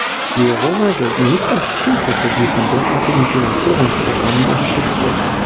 Die Roma gelten nicht als Zielgruppe, die von derartigen Finanzierungsprogrammen unterstützt wird.